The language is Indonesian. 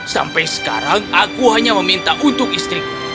sampai sekarang aku hanya meminta untuk istriku